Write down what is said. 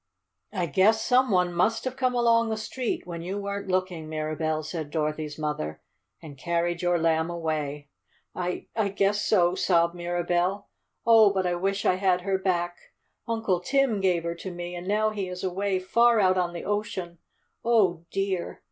"I guess some one must have come along the street when you weren't looking, Mirabell," said Dorothy's mother, "and carried your Lamb away." "I I guess so," sobbed Mirabell. "Oh, but I wish I had her back. Uncle Tim gave her to me, and now he is away far out on the ocean! Oh, dear!"